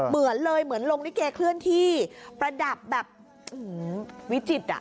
เหมือนเลยเหมือนลงลิเกเคลื่อนที่ประดับแบบวิจิตรอ